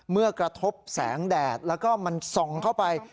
เมื่อกระทบแสงแดดแล้วก็มันส่องเข้าไป